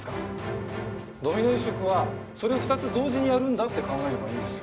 ドミノ移植はそれを２つ同時にやるんだって考えればいいんですよ。